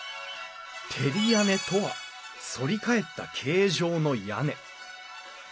照り屋根とはそり返った形状の屋根。